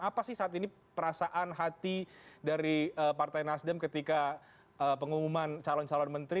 apa sih saat ini perasaan hati dari partai nasdem ketika pengumuman calon calon menteri